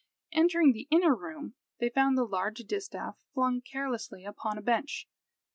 Entering the inner room, they found the large distaff flung carelessly upon a bench.